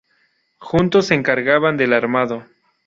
Juntos se encargaban del armado.